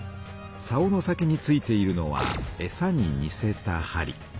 さおの先に付いているのはえさににせたはり。